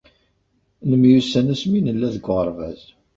Nemyussan asmi nella deg uɣerbaz.